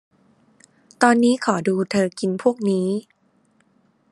ตอนนี้ขอดูเธอกินพวกนี้